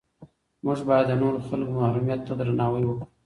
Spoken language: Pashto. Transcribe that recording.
موږ باید د نورو خلکو محرمیت ته درناوی وکړو.